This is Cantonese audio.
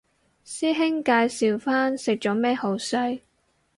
師兄介紹返食咗咩好西